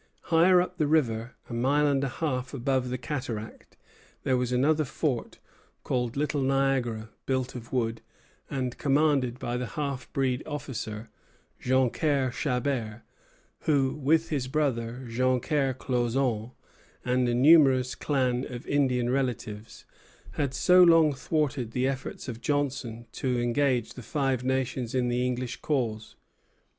Higher up the river, a mile and a half above the cataract, there was another fort, called Little Niagara, built of wood, and commanded by the half breed officer, Joncaire Chabert, who with his brother, Joncaire Clauzonne, and a numerous clan of Indian relatives, had so long thwarted the efforts of Johnson to engage the Five Nations in the English cause.